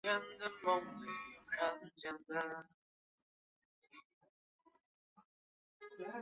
现在人们仍称仁川站为下仁川站。